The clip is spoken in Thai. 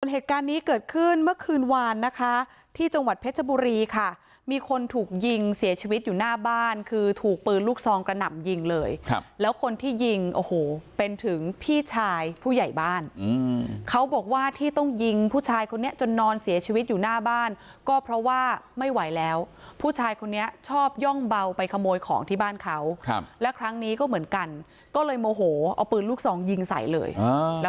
เหตุการณ์นี้เกิดขึ้นเมื่อคืนวานนะคะที่จังหวัดเพชรบุรีค่ะมีคนถูกยิงเสียชีวิตอยู่หน้าบ้านคือถูกปืนลูกซองกระหน่ำยิงเลยครับแล้วคนที่ยิงโอ้โหเป็นถึงพี่ชายผู้ใหญ่บ้านเขาบอกว่าที่ต้องยิงผู้ชายคนนี้จนนอนเสียชีวิตอยู่หน้าบ้านก็เพราะว่าไม่ไหวแล้วผู้ชายคนนี้ชอบย่องเบาไปขโมยของที่บ้านเขาครับแล้วครั้งนี้ก็เหมือนกันก็เลยโมโหเอาปืนลูกซองยิงใส่เลยแล้ว